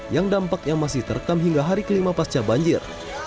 yang dampaknya masih terekam hingga hari kelima pasca banjir